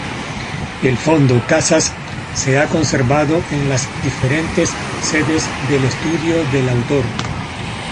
El fondo Casas se ha conservado en las diferentes sedes del estudio del autor.